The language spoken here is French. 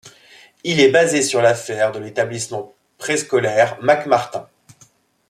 Il est basé sur l'affaire de l'établissement préscolaire McMartin.